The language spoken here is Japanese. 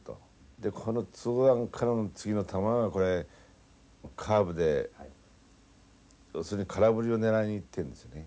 でこのツーワンからの次の球がこれカーブで要するに空振りを狙いにいってんですよね。